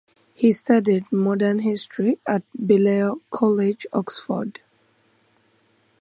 He studied modern history at Balliol College, Oxford.